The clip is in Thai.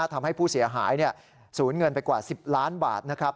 ทำให้ผู้เสียหายสูญเงินไปกว่า๑๐ล้านบาทนะครับ